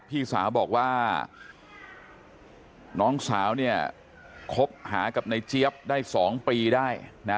พี่สาวบอกว่าน้องสาวเนี่ยคบหากับในเจี๊ยบได้๒ปีได้นะ